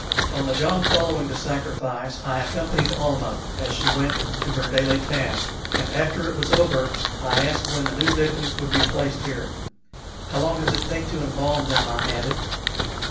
On the jom following the sacrifice I accompanied Almah as she went to her daily task, and after it was over I asked when the new victims would be placed here. "How long does it take to embalm them?" I added.